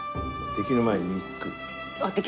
できる前に一句。